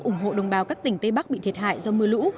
ủng hộ đồng bào các tỉnh tây bắc bị thiệt hại do mưa lũ